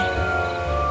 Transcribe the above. haruskah aku meminta izin